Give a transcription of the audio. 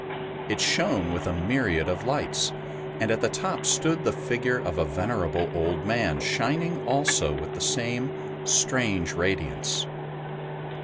It shone with a myriad of lights, and at the top stood the figure of a venerable old man shining also with the same strange radiance.